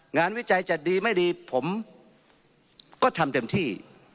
วิจัยจะดีไม่ดีผมก็ทำเต็มที่